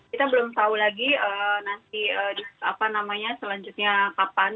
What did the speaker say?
kita belum tahu lagi nanti selanjutnya kapan